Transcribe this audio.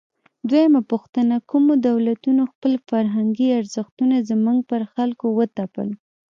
دویمه پوښتنه: کومو دولتونو خپل فرهنګي ارزښتونه زموږ پر خلکو وتپل؟